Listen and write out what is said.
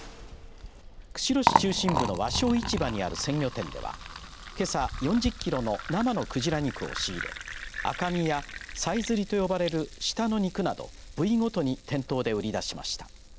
釧路市中心部の和商市場にある鮮魚店ではけさ４０キロの生の鯨肉を仕入れ赤身やさえずりと呼ばれる舌の肉など部位ごとに店頭で売り出しました。